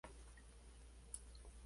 Sin embargo no es un autor regionalista.